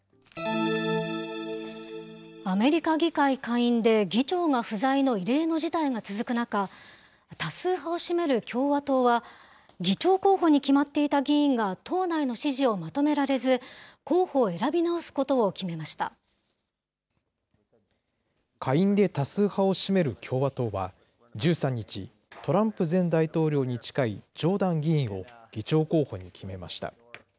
アメリカ議会下院で議長が不在の異例の事態が続く中、多数派を占める共和党は、議長候補に決まっていた議員が党内の支持をまとめられず候補を選下院で多数派を占める共和党は、１３日、トランプ前大統領に近いジョーダン議員を議長候補に決めました。